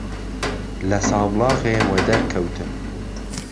له سابڵاغێ وه دهر کهوتم